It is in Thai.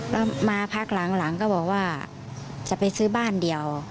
แล้วมาพักหลังก็บอกว่าจะไปซื้อบ้านเดียว